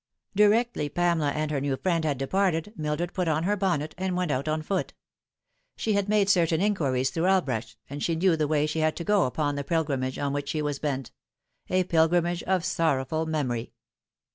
Directly Pamela and her new friend had departed Mildred put on her bonnet, and went out on foot. She had made certain inquiries through Albrecht, and she knew the way she had to go upon the pilgrimage on which she was bent, a pilgrimage of sorrowful memory.